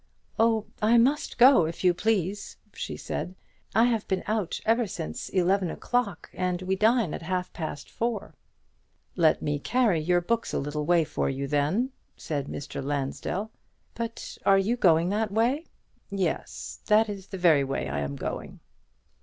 "Oh, I must go, if you please," she said; "I have been out ever since eleven o'clock, and we dine at half past four." "Let me carry your books a little way for you, then," said Mr. Lansdell. "But are you going that way?" "Yes, that is the very way I am going."